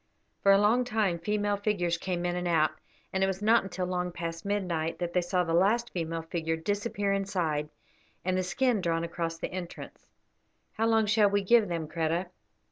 For a long time female figures came in and out, and it was not until long past midnight that they saw the last female figure disappear inside and the skin drawn across the entrance. "How long shall we give them, Kreta?"